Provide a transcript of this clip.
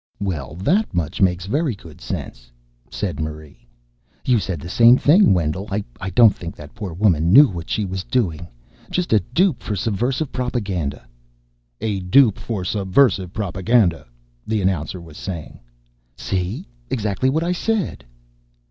"Well, that much makes very good sense," said Marie. "You said the same thing, Wendell. I don't think that poor woman knew what she was doing just a dupe for subversive propaganda." " a dupe for subversive propaganda," the announcer was saying. "See, exactly what I said."